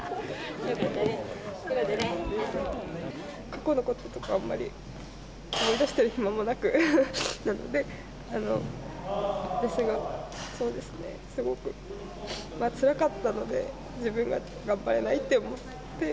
過去のこととか、あんまり思い出してる暇もなく、なので、すごい、そうですね、すごくつらかったので、自分が頑張れないって思って。